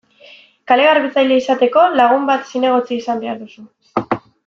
Kale-garbitzaile izateko, lagun bat zinegotzi izan behar duzu.